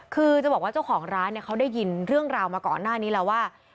คือจะบอกว่าเจ้าของร้านเนี่ยเขาได้ยินเรื่องราวมาก่อนหน้านี้แล้วว่า